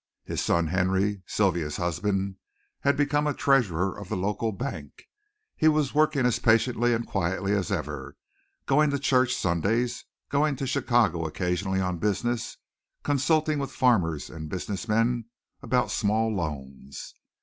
His son Henry, Sylvia's husband, had become a treasurer of the local bank. He was working as patiently and quietly as ever, going to church Sundays, going to Chicago occasionally on business, consulting with farmers and business men about small loans.